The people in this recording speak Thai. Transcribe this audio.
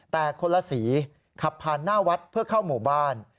แต่คนละสีขับผ่านหน้าวัดเพื่อเข้าหมู่บ้าน